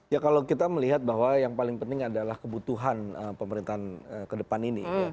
ya kalau kita melihat bahwa yang paling penting adalah kebutuhan pemerintahan ke depan ini